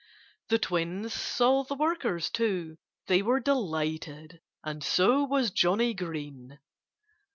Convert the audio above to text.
The twins saw the workers, too. They were delighted. And so was Johnnie Green.